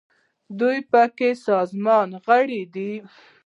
دوی د اوپک سازمان غړي دي.